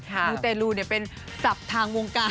มูเตรูเนี่ยเป็นสับทางวงการ